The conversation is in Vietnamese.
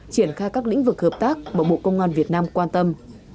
triển khai các lĩnh vực hợp tác mà bộ công an việt nam quan tâm